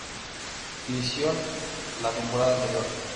Division la temporada anterior.